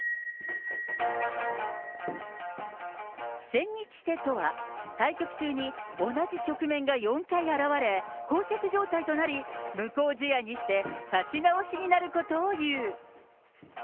千日手とは、対局中に同じ局面が４回現れ、こう着状態となり、無効試合にして指し直しになることを言う。